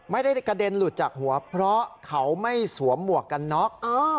ไม่ได้กระเด็นหลุดจากหัวเพราะเขาไม่สวมหมวกกันน็อก